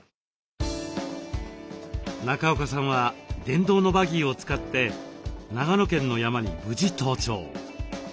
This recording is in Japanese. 中岡さんは電動のバギーを使って長野県の山に無事登頂。